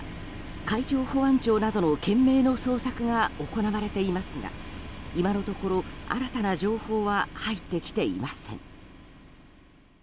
海上保安庁などの懸命の捜索が行われていますが今のところ新たな情報は入ってきていません。